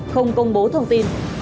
không công bố thông tin